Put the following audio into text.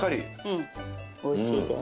おいしいです。